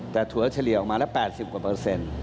แต่ถั่วเฉลี่ยออกมาละ๘๐กว่าเปอร์เซ็นต์